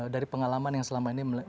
dari pengalaman yang selama ini